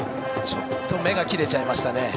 ちょっと目が切れちゃいましたね。